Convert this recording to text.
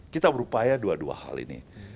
kita berupaya dua dua hal ini